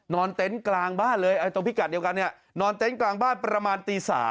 เต็นต์กลางบ้านเลยตรงพิกัดเดียวกันเนี่ยนอนเต็นต์กลางบ้านประมาณตี๓